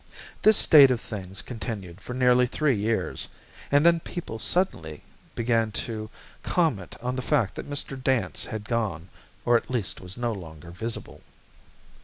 This state of things continued for nearly three years, and then people suddenly began to comment on the fact that Mr. Dance had gone, or at least was no longer visible.